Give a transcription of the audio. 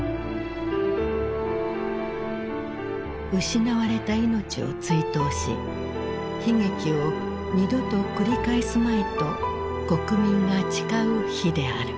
失われた命を追悼し悲劇を二度と繰り返すまいと国民が誓う日である。